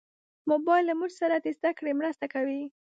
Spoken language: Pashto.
موبایل له موږ سره د زدهکړې مرسته کوي.